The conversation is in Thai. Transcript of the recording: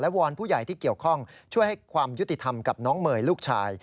วอนผู้ใหญ่ที่เกี่ยวข้องช่วยให้ความยุติธรรมกับน้องเมย์ลูกชาย